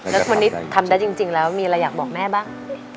แล้ววันนี้ทำได้จริงแล้วมีอะไรอยากบอกแม่บ้าง